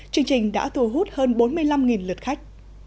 chương trình đã thu hút hơn bốn mươi năm lượt khách